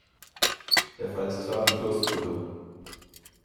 Der Fall ist klar wie Kloßbrühe.